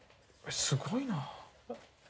すごいなぁ。